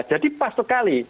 jadi pas sekali